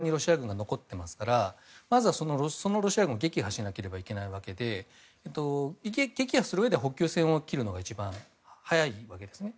今のところまだドニプロ川の西側にロシア軍が残っていますからまずそのロシア軍を撃破しなければいけないわけで撃破するうえでは補給線を切るのが一番早いわけですね。